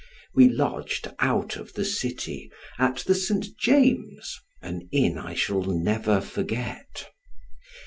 We lodged out of the city, at the St. James, an inn I shall never forget.